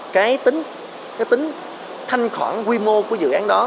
cái tính thanh khoản quy mô của dự án đó